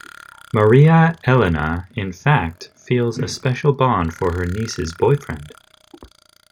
Maria Elena in fact, feels a special bond for her niece's boyfriend.